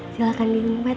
silakan ini mbak ti